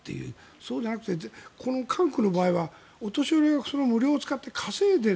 そうでなくて、韓国の場合はお年寄りが無料を使って稼いでいる。